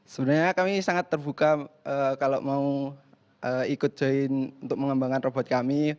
sebenarnya kami sangat terbuka kalau mau ikut join untuk mengembangkan robot kami